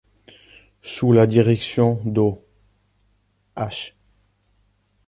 Sous la direction d’O.-H.